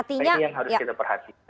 nah ini yang harus kita perhatikan